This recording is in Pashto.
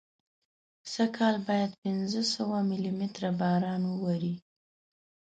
سږکال باید پینځه سوه ملي متره باران واوري.